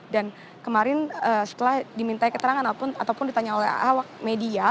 dan kemarin setelah dimintai keterangan ataupun ditanya oleh media